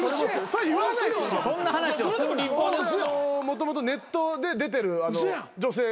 もともとネットで出てる女性で。